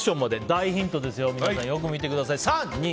大ヒントですよよく見てください。